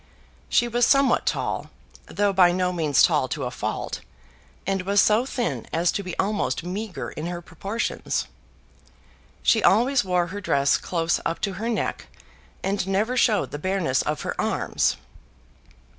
She was somewhat tall, though by no means tall to a fault, and was so thin as to be almost meagre in her proportions. She always wore her dress close up to her neck, and never showed the bareness of her arms.